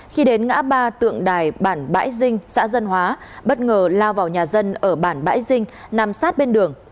khi đến ngã ba tượng đài bản bãi dinh xã dân hóa bất ngờ lao vào nhà dân ở bản bãi dinh nằm sát bên đường